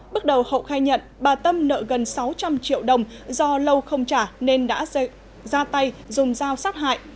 bước đầu hậu khai nhận bà tâm nợ gần sáu trăm linh triệu đồng do lâu không trả nên đã ra tay dùng dao sát hại